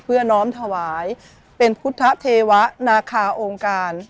น้อมถวายเป็นพุทธเทวะนาคาองค์การ